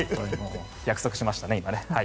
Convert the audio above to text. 約束しましたね。